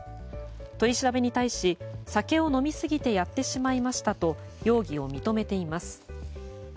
取り調べに対し酒を飲みすぎてやってしまいましたと容疑を認めています。